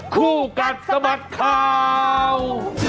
ครูกัดสมัครข่าว